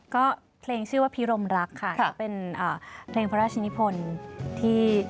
ก็เพลงชื่อว่าพิรมรักค่ะก็เป็นเพลงพระราชนิพลที่